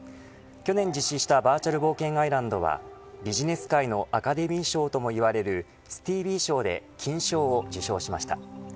去年実施したバーチャル冒険アイランドはビジネス界のアカデミー賞ともいわれるスティービー賞で金賞を受賞しました。